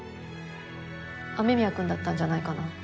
雨宮くんだったんじゃないかな。